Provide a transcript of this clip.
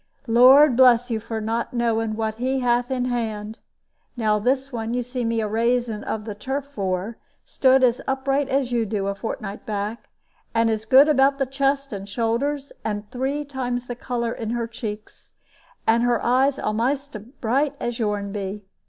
Lord bless you for not knowing what He hath in hand! Now this one you see me a raising of the turf for, stood as upright as you do, a fortnight back, and as good about the chest and shoulders, and three times the color in her cheeks, and her eyes a'most as bright as yourn be.